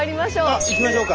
あっいきましょうか。